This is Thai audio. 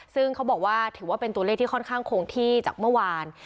ซึ่งเขาบอกว่าถือว่าเป็นตัวเลขที่ค่อนข้างคงที่จากเมื่อวาน